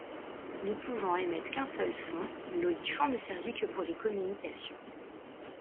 Ne pouvant émettre qu'un seul son, l'olifant ne servit que pour les communications.